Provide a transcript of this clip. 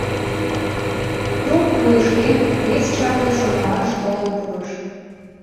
Трук вуйышкем вес чапле шонымаш толын пурыш.